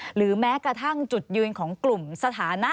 หรือแม้กระทั่งจุดยืนของกลุ่มสถานะ